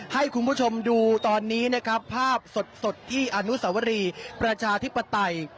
ให้คุณผู้ชมดูตอนนี้นะครับภาพสดที่อนุสวรีประชาธิปไตย